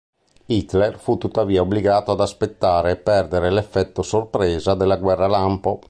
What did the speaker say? Hitler fu tuttavia obbligato ad aspettare e perdere l'effetto sorpresa della guerra lampo.